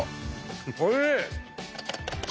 おいしい！